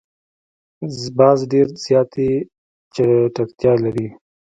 باز ډېر زیاتې چټکتیا لري